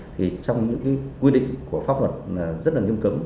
thì trong những quy định của pháp luật rất là nhâm cấm